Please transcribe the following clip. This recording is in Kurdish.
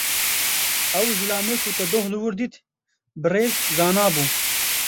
Ew zilamê ku te doh li wir dît, Birêz Zana bû.